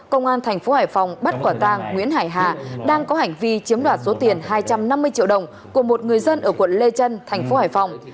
công an thành phố hải phòng bắt quả tang nguyễn hải hà đang có hành vi chiếm đoạt số tiền hai trăm năm mươi triệu đồng của một người dân ở quận lê trân thành phố hải phòng